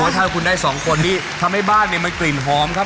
ถ้าคุณได้สองคนนี้ทำให้บ้านเนี่ยมันกลิ่นหอมครับ